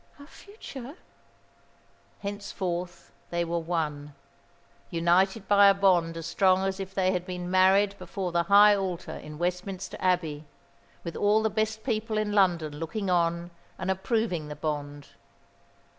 "Our future?" Henceforth they were one; united by a bond as strong as if they had been married before the high altar in Westminster Abbey, with all the best people in London looking on and approving the bond.